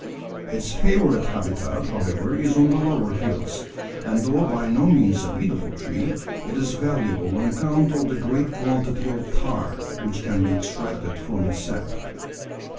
Its favourite habitat, however, is on the lower hills, and though by no means a beautiful tree, it is valuable on account of the great quantity of tar which can be extracted from its sap.